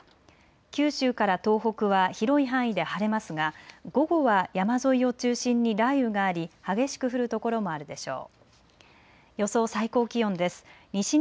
九州から東北は広い範囲で晴れますが午後は山沿いを中心に雷雨があり激しく降る所もあるでしょう。